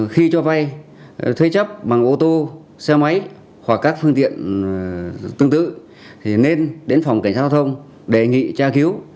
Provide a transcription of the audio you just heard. khi cho vay thuê chấp bằng ô tô xe máy hoặc các phương tiện tương tự thì nên đến phòng cảnh sát giao thông đề nghị tra cứu